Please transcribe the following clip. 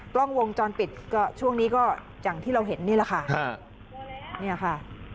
กล้องวงจรปิดก็ช่วงนี้ก็อย่างที่เราเห็นนี่แหละค่ะเนี่ยค่ะ